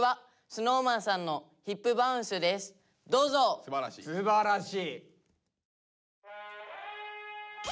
すばらしい。